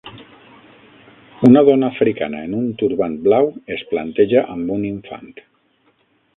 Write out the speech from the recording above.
Una dona africana en un turbant blau es planteja amb un infant